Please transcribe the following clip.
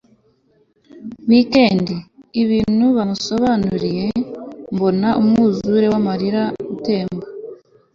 weekend. ibintu bamusobanuriye mbona umwuzure w'amarira utemba